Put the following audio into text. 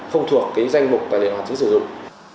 không thuộc danh mục tài liệu hoạt chứng sử dụng